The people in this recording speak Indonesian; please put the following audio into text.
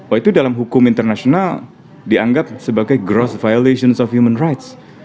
oh itu dalam hukum internasional dianggap sebagai gross violations of human rights